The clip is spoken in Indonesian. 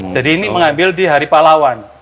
jadi ini mengambil di hari palawan